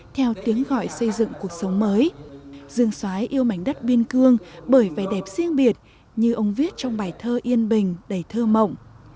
theo tiếng gọi xây dựng cuộc sống mới dương xoái yêu mảnh đất biên cương bởi vẻ đẹp riêng biệt như ông viết trong bài thơ yên bình đầy thơ mộng